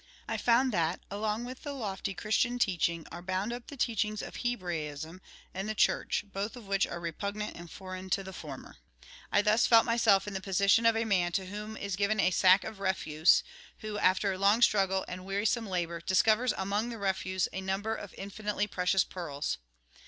I found that, along with the lofty Christian teaching, are bound up the teachings of Hebraism and the Church, both of which are repugnant and foreign to the former. I thus felt myself in the position of a man to whom is given a sack of refuse, who, after long struggle and wearisome labour, discovers among the refuse a number of infinitely precious pearls.